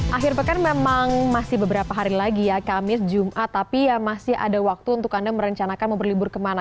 akhir pekan memang masih beberapa hari lagi ya kamis jumat tapi ya masih ada waktu untuk anda merencanakan mau berlibur kemana